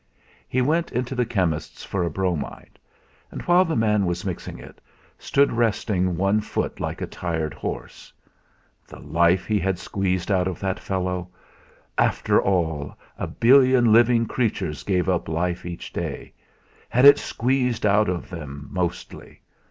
He went into the chemist's for a bromide; and, while the man was mixing it, stood resting one foot like a tired horse. The "life" he had squeezed out of that fellow! After all, a billion living creatures gave up life each day, had it squeezed out of them, mostly.